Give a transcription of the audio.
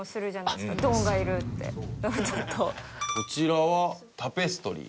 こちらはタペストリー。